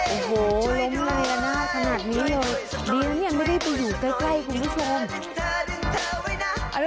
โอ้โหลมเลยนะขนาดนี้เลยดีที่ยังไม่ได้พออยู่ใกล้คุณผู้ชม